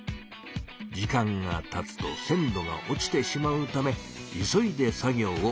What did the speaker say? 時間がたつと鮮度が落ちてしまうため急いで作業を行います。